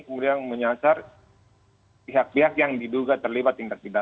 kemudian menyasar pihak pihak yang diduga terlibat tindak pidana